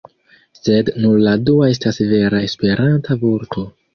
Sed nur la dua estas vera Esperanta vorto.